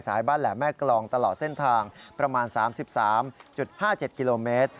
บ้านแหลมแม่กรองตลอดเส้นทางประมาณ๓๓๕๗กิโลเมตร